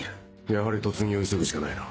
やはり突入を急ぐしかないな。